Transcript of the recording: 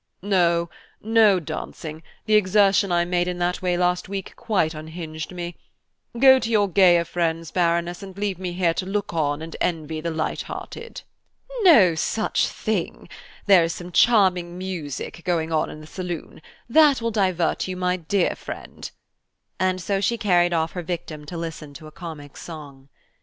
"No–no dancing, the exertion I made in that way last week quite unhinged me. Go to your gayer friends, Baroness, and leave me here to look on and envy the light hearted." "No such thing; there is some charming music going on in the saloon. That will divert you, my dear friend," and so she carried off her victim to listen to a comic song.